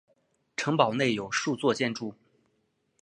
城堡内有数座建筑。